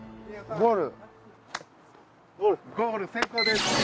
ゴール成功です。